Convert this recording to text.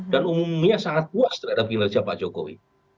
dan umumnya sangat puas terhadap kinerja pak jokowi